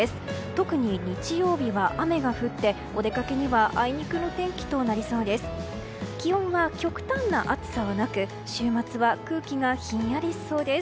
特に日曜日は雨が降ってお出かけにはあいにくの天気となりそうです。